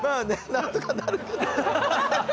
なんとかなるけど。